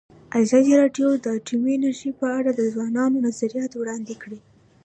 ازادي راډیو د اټومي انرژي په اړه د ځوانانو نظریات وړاندې کړي.